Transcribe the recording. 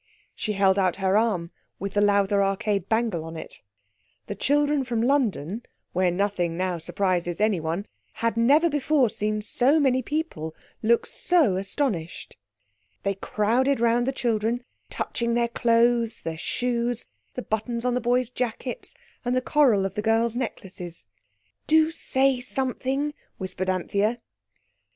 She held out her arm with the Lowther Arcade bangle on it. The children from London, where nothing now surprises anyone, had never before seen so many people look so astonished. They crowded round the children, touching their clothes, their shoes, the buttons on the boys' jackets, and the coral of the girls' necklaces. "Do say something," whispered Anthea.